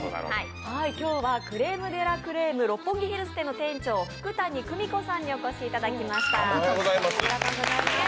今日はクレームデラクレーム六本木ヒルズ店の店長、福谷久美子さんにお越しいただきました。